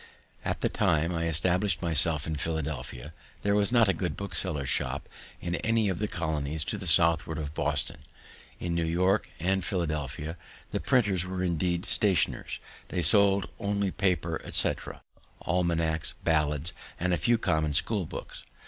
At the time I establish'd myself in Pennsylvania, there was not a good bookseller's shop in any of the colonies to the southward of Boston. In New York and Philad'a the printers were indeed stationers; they sold only paper, etc., almanacs, ballads, and a few common school books.